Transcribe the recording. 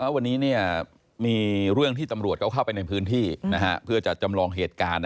วันนี้มีเรื่องที่ตำรวจก็เข้าไปในพื้นที่เพื่อจะจำลองเหตุการณ์